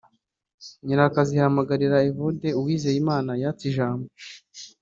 nyirakazihamagarira Evode Uwizeyimana yatse ijambo